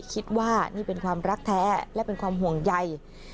คิดว่านี่เป็นความรักแท้และเป็นความห่วงใย